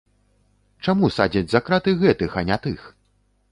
Чаму садзяць за краты гэтых, а не тых?